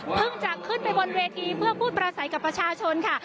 จะขึ้นไปบนเวทีเพื่อพูดประสัยกับประชาชนค่ะ